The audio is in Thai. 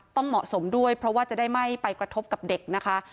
ต้องเหมาะสมด้วยเพราะว่าจะได้ไม่ไปกระทบกับเด็กนะคะ